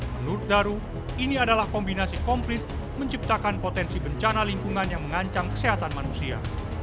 menurut daru ini adalah kombinasi komplit menciptakan potensi bencana lingkungan yang mengancam kesehatan manusia